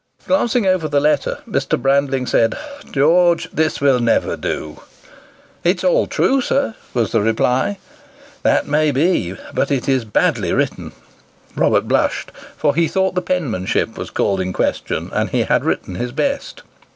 Glancing over the letter, Mr. Brandling said, "George, this will never do." "It is all true, sir," was the reply. "That may be; but it is badly written." Robert blushed, for he thought the penmanship was called in question, and he had written his best.